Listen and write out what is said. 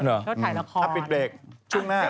แล้วถ่ายละครปิดเบรกช่วงหน้า